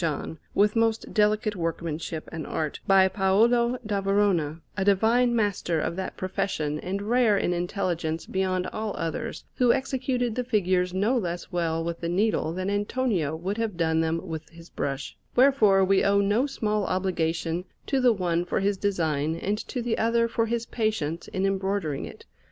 John, with most delicate workmanship and art, by Paolo da Verona, a divine master of that profession and rare in intelligence beyond all others, who executed the figures no less well with the needle than Antonio would have done them with his brush; wherefore we owe no small obligation to the one for his design and to the other for his patience in embroidering it.